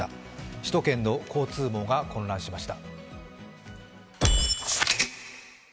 首都圏の交通網が混乱しました。